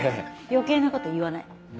余計なこと言わない。